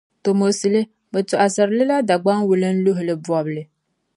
Tomosili, bɛ tͻɣisiri li la Dagbaŋ wulinluhili bͻbili.